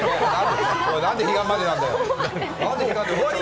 なんで彼岸までなんだよ！